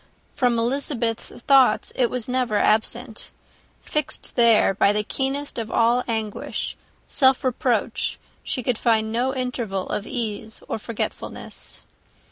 From Elizabeth's thoughts it was never absent. Fixed there by the keenest of all anguish, self reproach, she could find no interval of ease or forgetfulness.